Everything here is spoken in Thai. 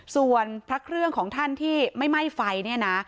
ส่วนพระเครื่องของท่านที่ไม่ไหม้ไฟเนี่ยนะ